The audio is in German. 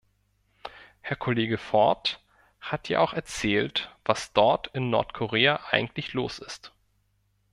Herr Kollege Ford hat ja auch erzählt, was dort in Nordkorea eigentlich los ist.